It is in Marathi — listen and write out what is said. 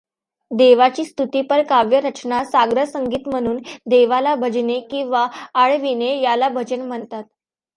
देवाची स्तुतिपर काव्यरचना साग्रसंगीत म्हणून देवाला भजणे किंवा आळविणे याला भजन म्हणतात.